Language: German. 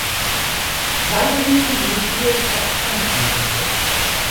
Weiterhin finden sich viele Pop-Punk-Ansätze.